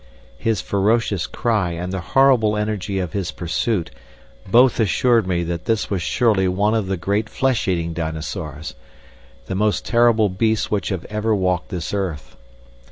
His ferocious cry and the horrible energy of his pursuit both assured me that this was surely one of the great flesh eating dinosaurs, the most terrible beasts which have ever walked this earth.